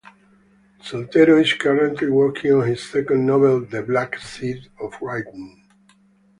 Soltero is currently working on his second novel, "The Black Seed of Writing".